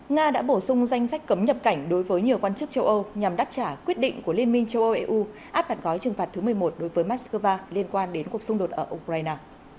nga đã bổ sung danh sách cấm nhập cảnh đối với nhiều quan chức châu âu nhằm đáp trả quyết định của liên minh châu âu eu áp đặt gói trừng phạt thứ một mươi một đối với moscow liên quan đến cuộc xung đột ở ukraine